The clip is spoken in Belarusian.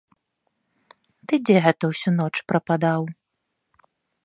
Ты дзе гэта ўсю ноч прападаў?